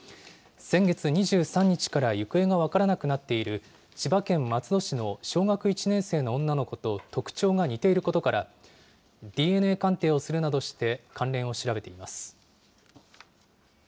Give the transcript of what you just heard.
先月２３日から行方が分からなくなっている、千葉県松戸市の小学１年生の女の子と特徴が似ていることから、ＤＮＡ鑑定をするなどして関連を調べています。